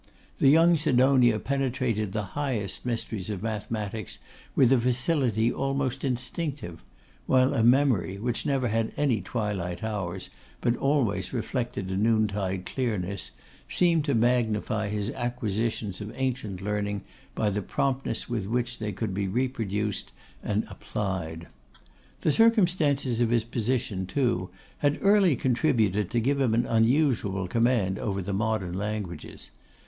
The young Sidonia penetrated the highest mysteries of mathematics with a facility almost instinctive; while a memory, which never had any twilight hours, but always reflected a noontide clearness, seemed to magnify his acquisitions of ancient learning by the promptness with which they could be reproduced and applied. The circumstances of his position, too, had early contributed to give him an unusual command over the modern languages.